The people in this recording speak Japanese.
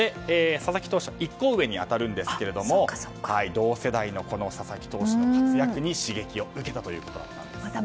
佐々木投手は１個上に当たるんですけども同世代の佐々木投手の活躍に刺激を受けたということでした。